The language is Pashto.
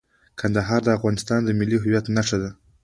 کندهار د افغانستان د ملي هویت نښه ده.